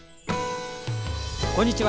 こんにちは。